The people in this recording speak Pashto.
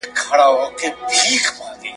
نه له چا سره مو کار وي نه تهمت وي نه اغیار وي `